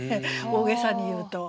大げさに言うと。